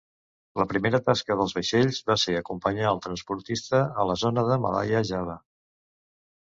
La primera tasca dels vaixells va ser acompanyar el transportista a la zona de Malaya-Java.